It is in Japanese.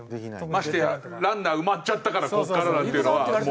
ましてやランナー埋まっちゃったからここからだっていうのは。